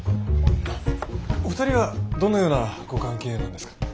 お二人はどのようなご関係なんですか？